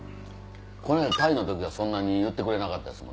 この間の鯛の時はそんなに言ってくれなかった。